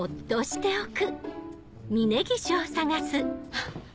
あっ。